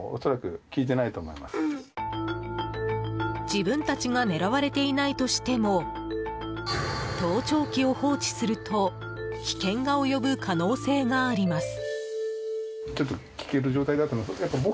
自分たちが狙われていないとしても盗聴器を放置すると危険が及ぶ可能性があります。